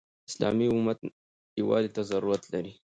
اسلامي امت يووالي ته ضرورت لري.